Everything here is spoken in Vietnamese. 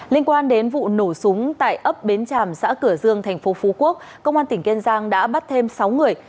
liên quan đến vụ nổ súng tại ấp bến tràm xã cửa dương tp phú quốc công an tp hcm đã bắt thêm sáu người